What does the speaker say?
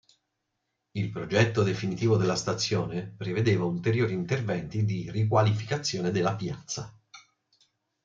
Il progetto definitivo della stazione prevedeva ulteriori interventi di riqualificazione della piazza.